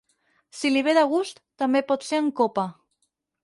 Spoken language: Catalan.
Si li ve de gust, també pot ser en copa.